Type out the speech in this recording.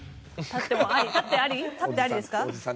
立ってありですか？